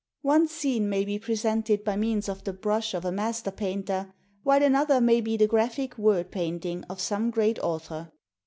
One scene may be presented by means of the brush of a master painter, while another may be the graphic word painting of some great author.